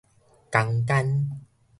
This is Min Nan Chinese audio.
江干